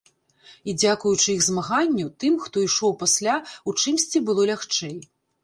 І дзякуючы іх змаганню, тым, хто ішоў пасля, у чымсьці было лягчэй.